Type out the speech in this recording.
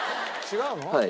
違うの？